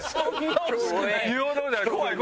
言うほどじゃない。